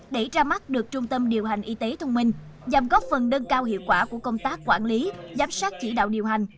để ra mắt được trung tâm điều hành y tế thông minh giảm góp phần đơn cao hiệu quả của công tác quản lý giám sát chỉ đạo điều hành